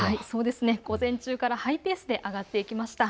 午前中からハイペースで上がっていきました。